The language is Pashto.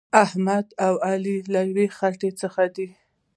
احمد او علي له یوې خټې څخه دي.